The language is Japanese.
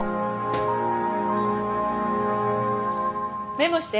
メモして。